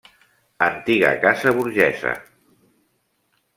Antiga casa burgesa.